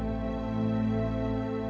aku tak tahu kenapa